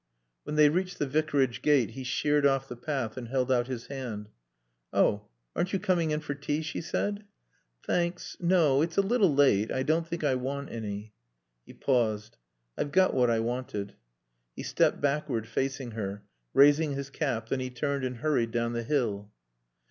When they reached the Vicarage gate he sheered off the path and held out his hand. "Oh aren't you coming in for tea?" she said. "Thanks. No. It's a little late. I don't think I want any." He paused. "I've got what I wanted." He stepped backward, facing her, raising his cap, then he turned and hurried down the hill.